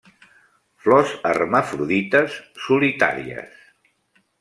Flors hermafrodites, solitàries.